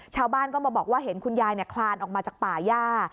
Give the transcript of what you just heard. ชาวบ้านก็มาบอกว่าเห็นคุณยายคลานออกมาจากป่าย่า